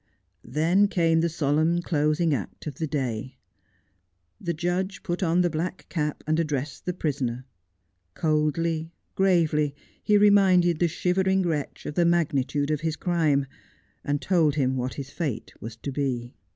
Then came the solemn closing act of the day. The judge put on the black cap and addressed the prisoner. Coldly, gravely, he reminded the shivering wretch of the magnitude of his crime, uud told him what his fate was to be.